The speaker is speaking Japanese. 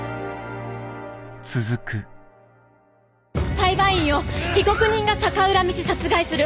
裁判員を被告人が逆恨みし殺害する。